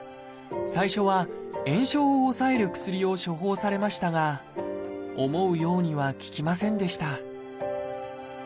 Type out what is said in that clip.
最初は炎症を抑える薬を処方されましたが思うようには効きませんでした